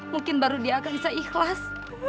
mungkin baru dia akan bisa ikhlas